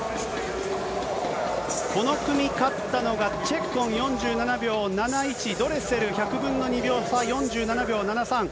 この組、勝ったのがチェッコン４７秒７１、ドレセル、１００分の２秒差、４７秒７３。